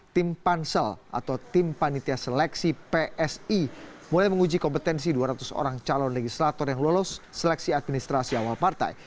tim pansel atau tim panitia seleksi psi mulai menguji kompetensi dua ratus orang calon legislator yang lolos seleksi administrasi awal partai